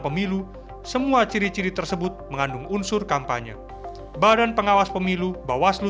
pemilu semua ciri ciri tersebut mengandung unsur kampanye badan pengawas pemilu bawaslu